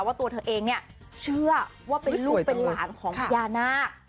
ตัวเธอเองเนี่ยเชื่อว่าเป็นลูกเป็นหลานของพญานาค